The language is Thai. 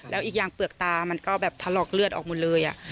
แล้วอีกอย่างเปลือกตามันก็แบบถลอกเลือดออกหมดเลย